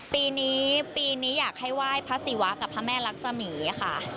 ปีนี้ปีนี้อยากให้ไหว้พระศิวะกับพระแม่รักษมีค่ะ